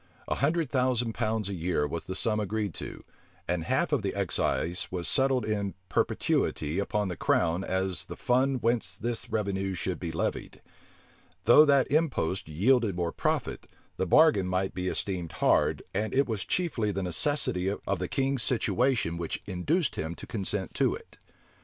A hundred thousand pounds a year was the sum agreed to; and half of the excise was settled in perpetuity upon the crown as the fund whence this revenue should be levied. Though that impost yielded more profit, the bargain might be esteemed hard; and it was chiefly the necessity of the king's situation which induced him to consent to it.